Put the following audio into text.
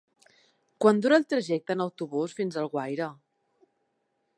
Quant dura el trajecte en autobús fins a Alguaire?